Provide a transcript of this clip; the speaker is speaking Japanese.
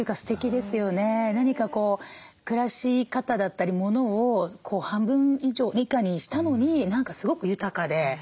何か暮らし方だったり物を半分以下にしたのに何かすごく豊かで。